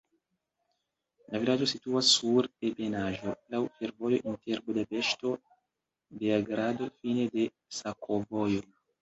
La vilaĝo situas sur ebenaĵo, laŭ fervojo inter Budapeŝto-Beogrado, fine de sakovojo.